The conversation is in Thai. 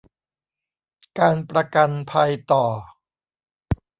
การประกันภัยต่อ